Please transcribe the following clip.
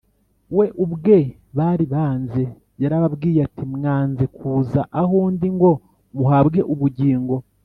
We ubwe bari banze. Yarababwiye ati, “Mwanze kuza aho ndi ngo muhabwe ubugingo.